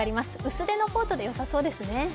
薄手のコートでよさそうですね。